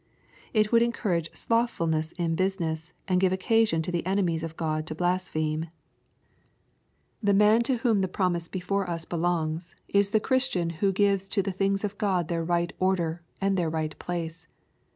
It would encourage slothful ness in business, and give occasion to the enemies of Gk)d to blaspheme. LUKE, CHAP. XU. 81 The man to whom the promise before us belongs, is the Christian who gives to the things of God their right order and their right place.